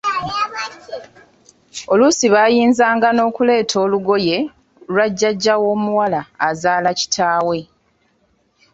Oluusi baayinzanga n’okuleeta olugoye lwa Jjajja w’omuwala azaala kitaawe.